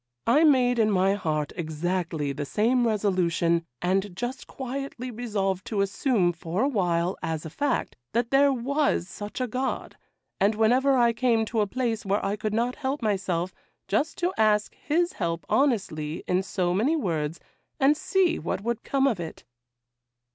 I made in my heart exactly the same resolution, and just quietly resolved to assume for a while, as a fact, that there was such a God, and whenever I came to a place where I could not help myself, just to ask His help honestly in so many words, and see what would come of it.